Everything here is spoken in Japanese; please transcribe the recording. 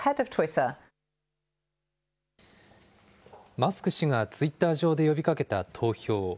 マスク氏がツイッター上で呼びかけた投票。